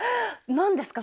何ですか？